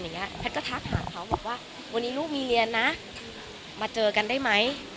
แพทย์ก็ทักหาเขาบอกว่าวันนี้ลูกมีเรียนนะมาเจอกันได้ไหม